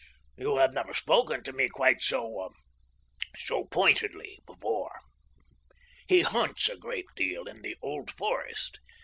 You have never spoken to me quite so—ah—er—pointedly before. He hunts a great deal in the Old Forest.